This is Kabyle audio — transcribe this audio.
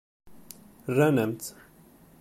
Rran-am-tt.